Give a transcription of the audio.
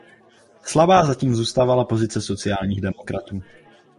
Slabá zatím zůstávala pozice sociálních demokratů.